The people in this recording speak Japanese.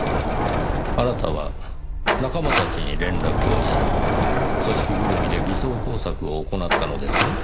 あなたは仲間たちに連絡をし組織ぐるみで偽装工作を行ったのですね？